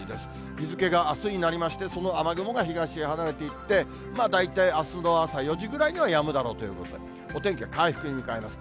日付があすになりまして、その雨雲が東へ離れていって、大体あすの朝４時ぐらいにはやむだろうということで、お天気が回復に向かいます。